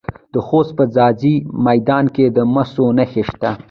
د خوست په ځاځي میدان کې د مسو نښې شته.